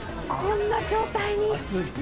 こんな状態に！